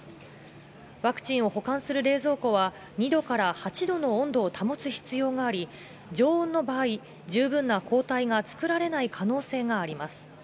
ワクチンを保管する冷蔵庫は２度から８度の温度を保つ必要があり、常温の場合、十分な抗体が作られない可能性があります。